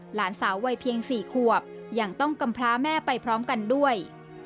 หลานสาววัยเพียง๔ขวบยังต้องกำพร้าแม่ไปพร้อมกันด้วย